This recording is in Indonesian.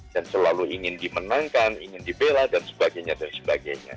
dan selalu ingin dimenangkan ingin dibela dan sebagainya